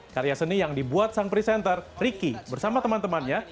karya seni yang dibuat sang presenter ricky bersama teman temannya